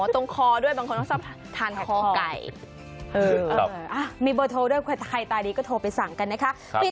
ตรงคอด้วยบางคนต้องชอบทานคอไก่มีเบอร์โทรด้วยใครตาดีก็โทรไปสั่งกันนะคะ